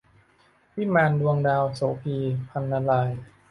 วิมานดวงดาว - โสภี พรรณราย